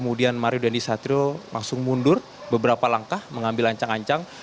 kemudian mario dandisatrio langsung mundur beberapa langkah mengambil ancang ancang